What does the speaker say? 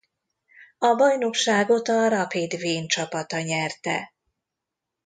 A bajnokságot a Rapid Wien csapata nyerte.